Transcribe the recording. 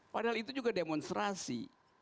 padahal itu juga demonstrasi